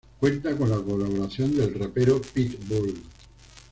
Cuenta con la colaboración del rapero Pitbull.